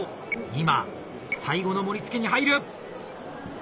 今最後の盛り付けに入る！